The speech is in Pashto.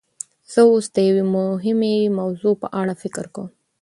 زه اوس د یوې مهمې موضوع په اړه فکر کوم.